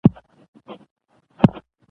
ستيون سميټ په شل اورو لوبو کښي مشهوره ده.